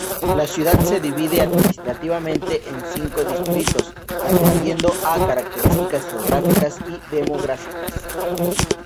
La ciudad se divide administrativamente en cinco distritos, atendiendo a características geográficas y demográficas.